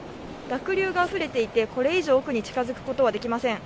濁流があふれていて、これ以上奥に近づくことはできません。